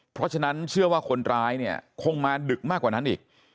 เพราะฉะนั้นเชื่อว่าคนร้ายเนี่ยคงมาดึกมากกว่านั้นอีก